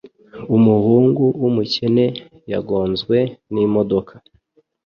Umuhungu wumukene yagonzwe n imodoka.